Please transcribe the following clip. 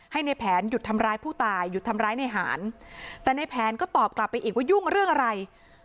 ให้ในแผนหยุดทำร้ายผู้ตายหยุดทำร้ายในหารแต่ในแผนก็ตอบกลับไปอีกว่ายุ่งเรื่องอะไร